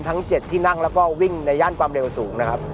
ทั้ง๗ที่นั่งแล้วก็วิ่งในย่านความเร็วสูงนะครับ